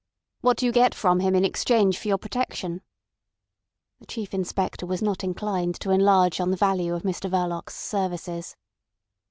"What do you get from him in exchange for your protection?" The Chief Inspector was not inclined to enlarge on the value of Mr Verloc's services.